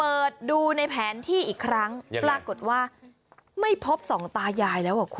เปิดดูในแผนที่อีกครั้งปรากฏว่าไม่พบสองตายายแล้วอ่ะคุณ